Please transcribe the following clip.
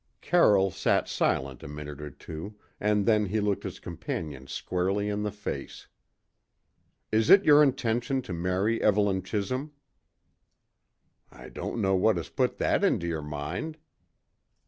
Carroll sat silent a minute or two; and then he looked his companion squarely in the face. "Is it your intention to marry Evelyn Chisholm?" "I don't know what has put that into your mind."